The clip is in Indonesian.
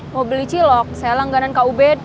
mau beli cilok saya langganan kub